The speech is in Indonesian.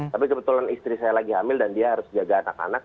tapi kebetulan istri saya lagi hamil dan dia harus jaga anak anak